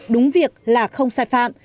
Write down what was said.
đúng việc là không sai phạm